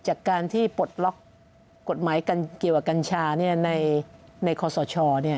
จากการที่ปลดล็อกกฎหมายเกี่ยวกับกัญชาในคอสช